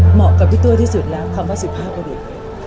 เหมาะกับพี่ตัวที่สุดแล้วคำว่าสุภาพบุรุษ